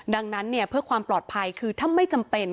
ดังนั้นเนี่ยเพื่อความปลอดภัยคือถ้าไม่จำเป็น